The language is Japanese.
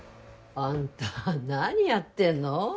あんた何やってんの？